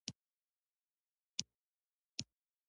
د افغانستان والیبال ټیم پرمختګ کوي